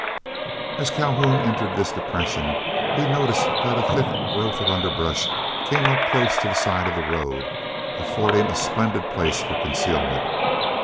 As Calhoun entered this depression, he noticed that a thick growth of underbrush came up close to the side of the road, affording a splendid place for concealment.